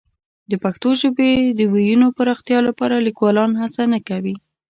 د پښتو ژبې د وییونو پراختیا لپاره لیکوالان هڅه نه کوي.